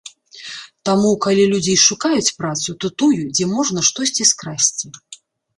Таму, калі людзі і шукаюць працу, то тую, дзе можна штосьці скрасці.